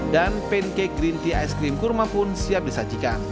dan pancake green tea ice cream kurma pun siap disajikan